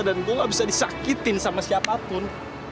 dan gua bisa disakitin sama siapapun